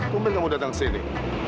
kumpul kamu datang sini